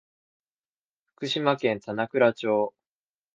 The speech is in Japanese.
福島県棚倉町